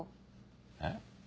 えっ？